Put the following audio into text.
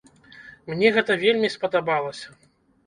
Мне гэта вельмі спадабалася.